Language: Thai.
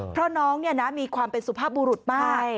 เพราะน้องเนี่ยนะมีความเป็นสุภาพบูรุษมาก